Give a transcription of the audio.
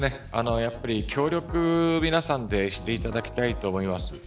やっぱり協力、皆さんでしていただきたいと思います。